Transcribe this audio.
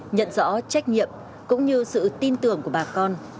nhận rõ trách nhiệm cũng như sự tin tưởng của bà con